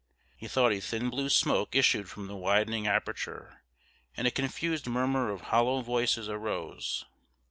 He thought a thin blue smoke issued from the widening aperture, and a confused murmer of hollow voices arose.